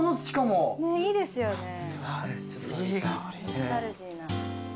ノスタルジーな。